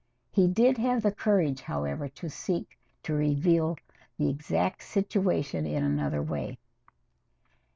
He did have the courage, however, to seek to reveal the exact situation in another way.